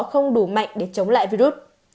không đủ mạnh để chống lại virus